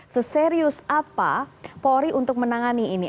seserius apa polri untuk menangani ini